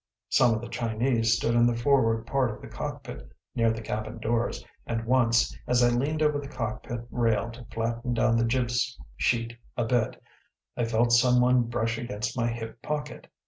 Some of the Chinese stood in the forward part of the cockpit, near the cabin doors, and once, as I leaned over the cockpit rail to flatten down the jib sheet a bit, I felt some one brush against my hip pocket.